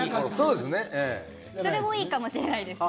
それもいいかもしれないですね。